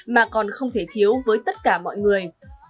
mà còn không thể thiếu với tất cả mọi người